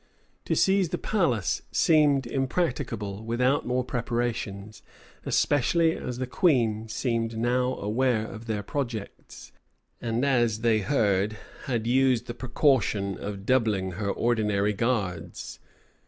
To seize the palace seemed impracticable without more preparations; especially as the queen seemed now aware of their projects, and, as they heard, had used the precaution of doubling her ordinary guards.